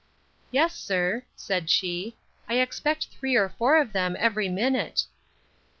Yes, sir, said she, I expect three or four of them every minute.